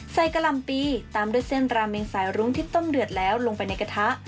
กะหล่ำปีตามด้วยเส้นราเมงสายรุ้งที่ต้มเดือดแล้วลงไปในกระทะ